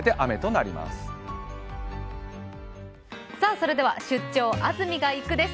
それでは「出張！安住がいく」です